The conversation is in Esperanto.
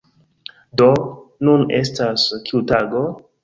Do, nun estas... kiu tago?